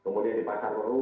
kemudian di pasar meru